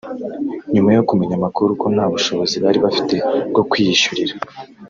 nyuma yo kumenya amakuru ko nta bushobozi bari bafite bwo kwiyishyurira